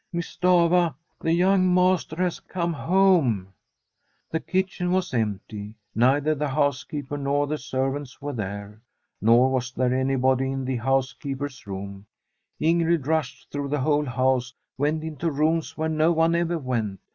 * Miss Stafva, the young master has come home !' The kitchen was empty; neither the house keeper nor the servants were there. Nor was there anybody in the housekeeper's room. In [96I The STORY of a COUNTRY HOUSE grid rushed through the whole house, went into rooms where no one ever went.